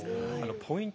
ポイント